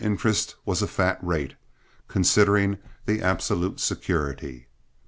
interest was a fat rate, considering the absolute security.